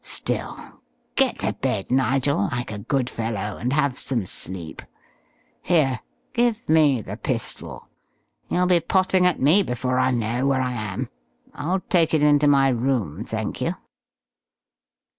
Still, get to bed, Nigel, like a good fellow, and have some sleep. Here, give me the pistol. You'll be potting at me before I know where I am. I'll take it into my room, thank you!"